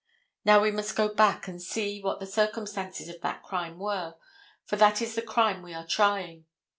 Now we must go back and see what the circumstances of that crime were, for that is the crime we are trying.